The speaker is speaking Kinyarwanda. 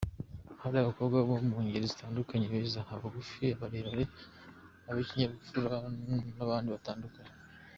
Hari abakobwa bo mu ngeri zitandukanye abeza, abagufi, abarebare, ab’ikinyabupfura n’abandi batandukanye.